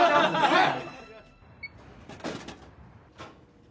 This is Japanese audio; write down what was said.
はい。